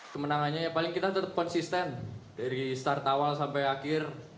kemenangannya ya paling kita tetap konsisten dari start awal sampai akhir